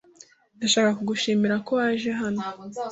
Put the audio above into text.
Ndashaka kugushimira ko waje hano.